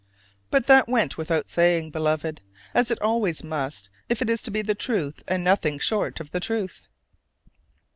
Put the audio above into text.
But that went without saying, Beloved, as it always must if it is to be the truth and nothing short of the truth.